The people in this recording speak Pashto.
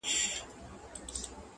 تر اوو غرونو او سمندرونو راتېر کړم